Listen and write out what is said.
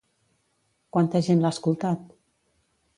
Quanta gent l'ha escoltat?